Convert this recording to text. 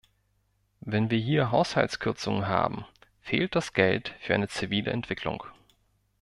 Wenn wir hier Haushaltskürzungen haben, fehlt das Geld für eine zivile Entwicklung.